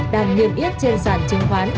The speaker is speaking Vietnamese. đang nghiêm yết trên sàn chứng khoán